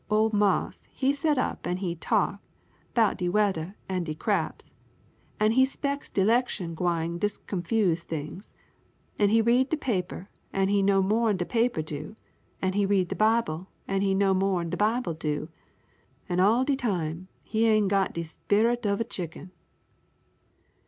Ole marse he set up an' he talk 'bout de weather an' de craps, an' he specks de 'lection gwine discomfuse things, an' he read de paper an' he know more 'n de paper do, an' he read de Bible an' he know more 'n de Bible do, an' all de time he ain' got de sperrit uv a chicken."